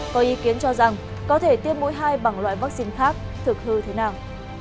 có ý kiến cho rằng có thể tiêm mũi hai bằng loại vaccine khác thực hư thế nào